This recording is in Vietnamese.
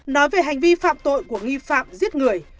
nói về hành vi phạm tội của nghi phạm giết người